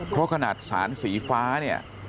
เพราะขนาดสารสีฟ้าเนี่ย